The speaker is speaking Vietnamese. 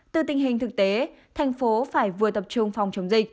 từ tình hình thực tế thành phố phải vừa tập trung phòng chống dịch